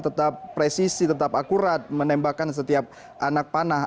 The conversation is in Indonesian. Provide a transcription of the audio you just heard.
tetap presisi tetap akurat menembakkan setiap anak panah